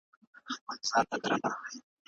آیا دا د آس لپاره یوه لویه بریا نه وه چې خلاص شو؟